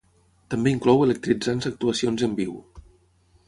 També inclou electritzants actuacions en viu.